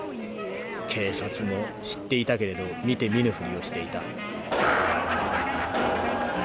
警察も知っていたけれど見て見ぬふりをしていた」。